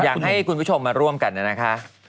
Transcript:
อยากให้คุณผู้ชมมาร่วมกันนะคะ